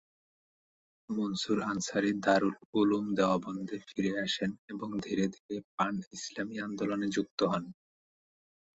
মনসুর আনসারি দারুল উলুম দেওবন্দে ফিরে আসেন এবং ধীরে ধীরে পান-ইসলামী আন্দোলনে যুক্ত হন।